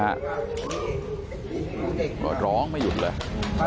หลอดร้องไม่หยุดเลย